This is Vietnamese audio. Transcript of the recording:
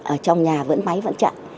ở trong nhà vẫn máy vẫn chặn